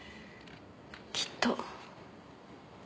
きっと。